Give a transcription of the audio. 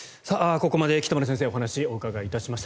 ここまで北村先生にお話をお伺いしました。